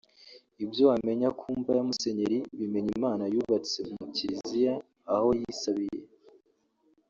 Ibyo wamenya ku mva ya Musenyeri Bimenyimana yubatse mu Kiliziya aho yisabiye